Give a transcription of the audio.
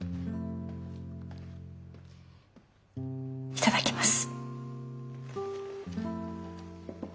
いただきます。